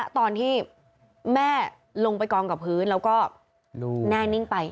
ตอนที่แม่ลงไปกองกับพื้นแล้วก็แน่นิ่งไป